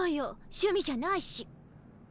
趣味じゃないし。